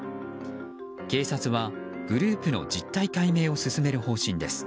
警察はグループの実態解明を進める方針です。